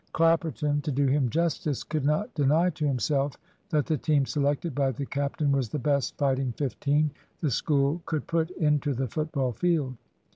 Clapperton, to do him justice, could not deny to himself that the team selected by the captain was the best fighting fifteen the School could put into the football field.